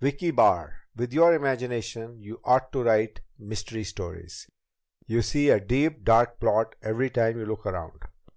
"Vicki Barr, with your imagination, you ought to write mystery stories! You see a deep, dark plot every time you look around!